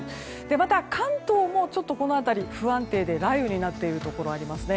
また、関東もこの辺りで不安定で雷雨になっているところありますね。